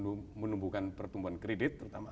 untuk kita dorong untuk menumbuhkan pertumbuhan kredit